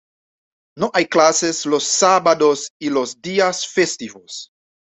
No hay clases los sábados y los días festivos.